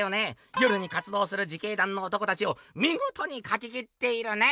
夜に活どうする自警だんの男たちをみごとに描ききっているね！」。